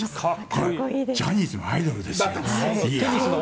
これ、ジャニーズのアイドルですよ。